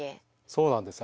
そうなんです。